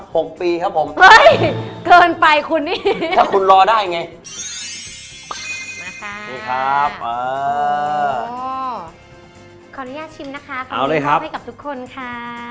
พร้อมพรี้กร้อนให้กับทุกคนค่ะ